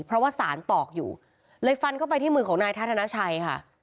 เพราะว่าสารตอกอยู่เลยฟันเข้าไปที่มือของนายธนชัยค่ะ